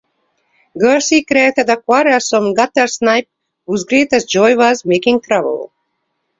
Gorcey created a quarrelsome guttersnipe whose greatest joy was in making trouble.